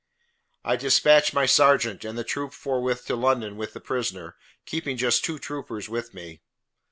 I dispatched my sergeant and the troop forthwith to London with the prisoner, keeping just two troopers with me.